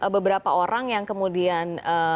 beberapa orang yang kemudian